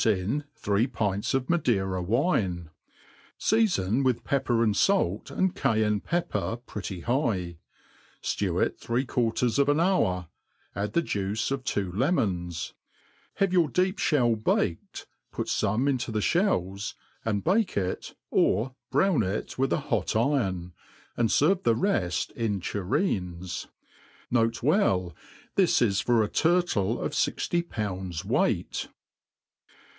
in three pints of Madeira wine; feafon with r MADE PLAIN AND EASY. 347 With pepper and fait, and Cayenne pepper pretty Jiigh ; ftcw it three quarters of an hour, add the juice of two lemons ; have your deep ihell baked, put fome into the (hells, and bake it or brown it with a hot iron, and ferve the reft in tureens. N. B. This is for a turtle of fixty pounds weight.